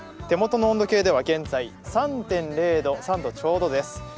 手元の温度計では現在３度ちょうどです。